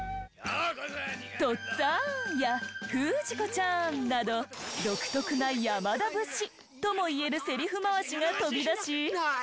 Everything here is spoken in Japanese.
「とっつぁん」や「ふじこちゃん」など独特な山田節ともいえるセリフ回しが飛び出し。